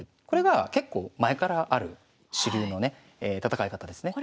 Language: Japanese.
これが結構前からある主流のね戦い方ですね。